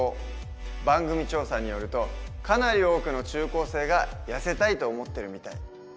番組調査によるとかなり多くの中高生がやせたいと思ってるみたい。